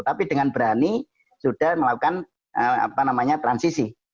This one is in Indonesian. tapi dengan berani sudah melakukan transisi